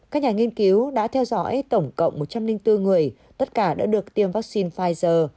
các nhà nghiên cứu đã theo dõi tổng cộng một trăm linh bốn người tất cả đã được tiêm vaccine pfizer